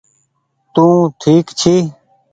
تونٚ ٺيڪ ڇي